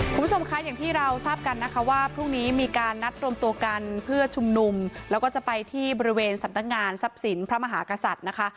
คุณผู้ชมคะอย่างที่เราทราบกันนะคะว่าพรุ่งนี้มีการนัดรวมตัวกันเพื่อชุมนุมแล้วก็จะไปที่บริเวณสำนักงานทรัพย์สินพระมหากษัตริย์นะคะ